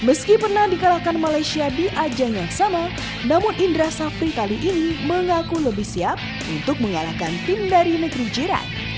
meski pernah dikalahkan malaysia di ajang yang sama namun indra safri kali ini mengaku lebih siap untuk mengalahkan tim dari negeri jiran